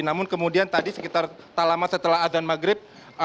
namun kemudian tadi sekitar tak lama setelah azan maghrib